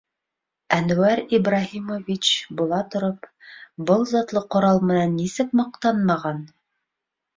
Әнүәр Ибраһимович була тороп, был затлы ҡорал менән нисек маҡтанмаған?